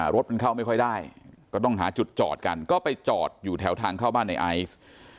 รถมันเข้าไม่ค่อยได้ก็ต้องหาจุดจอดกันก็ไปจอดอยู่แถวทางเข้าบ้านในไอซ์